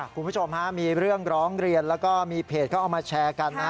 คุณผู้ชมฮะมีเรื่องร้องเรียนแล้วก็มีเพจเขาเอามาแชร์กันนะ